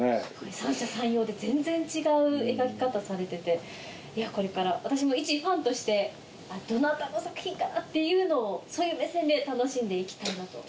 三者三様で全然違う描き方されててこれから私もいちファンとしてどなたの作品かなっていうのをそういう目線で楽しんで行きたいなと。